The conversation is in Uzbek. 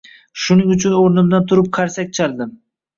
Shuning uchun o‘rnimdan turib qarsak chaldim